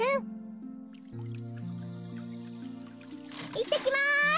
いってきます！